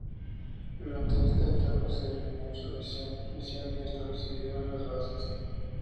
Durante esta etapa se definió su visión, misión y establecieron las bases.